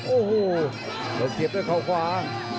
โอ้โหลงเกียบด้วยขอขวา